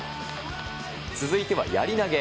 続いてはやり投げ。